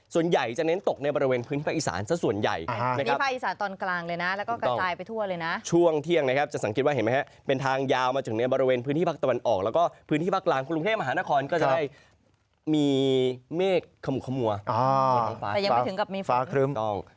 ก็จะได้มีเมฆขมุกขมัวแต่ยังไม่ถึงกับมีฟ้าครึ้ม